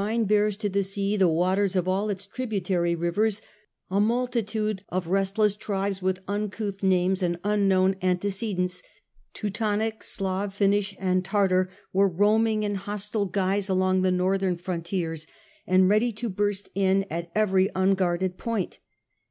Marcus Aitreliiis Antoninus, 95 bears to the sea the waters of all its tributary rivers a multitude of restless tribes with uncouth names and unknown antecedents, Teutonic, Slave, Finnish, and Tartar, were roaming in hostile guise along the northern frontiers, and ready to burst in at every unguarded point.